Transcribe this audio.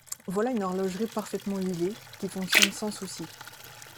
Voilà une horlogerie parfaitement huilée, qui fonctionne sans soucis.